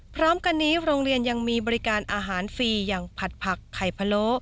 พร้อมกันนี้โรงเรียนยังมีบริการอาหารฟรีอย่างผัดผักไข่พะโล